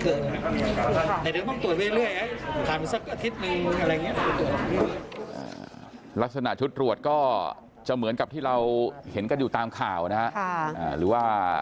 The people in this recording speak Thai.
ลักษณะชุดตรวจก็จะเหมือนกับที่เราเห็นกันอยู่ตามข่าวนะฮะหรือว่า